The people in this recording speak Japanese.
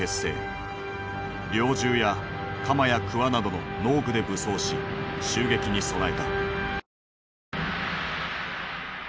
猟銃や鎌やクワなどの農具で武装し襲撃に備えた。